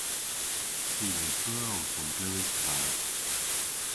Ty re beu owth omglewas klav.